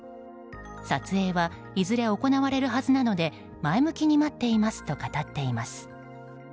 撮影はいずれ行われるはずなので前向きに待っていますと語っています。